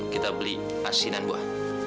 kita beli asinan buah